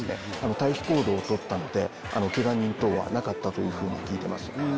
退避行動をとったのでケガ人等はなかったというふうに聞いてます